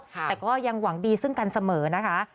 แต่ก็ยังหวังดีซึ่งกันเสมอนะคะ